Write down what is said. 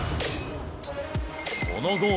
このゴール